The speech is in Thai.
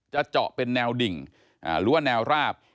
เจาะเป็นแนวดิ่งหรือว่าแนวราบ